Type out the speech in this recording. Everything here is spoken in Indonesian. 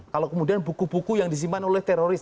kalau kemudian buku buku yang disimpan oleh teroris